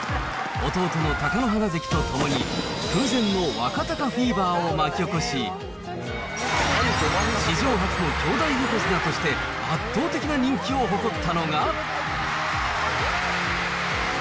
弟の貴乃花関と共に、空前の若貴フィーバーを巻き起こし、史上初の兄弟横綱として、圧倒的な人気を誇ったのが。